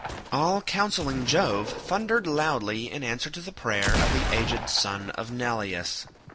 All counselling Jove thundered loudly in answer to the prayer of the aged son of Neleus.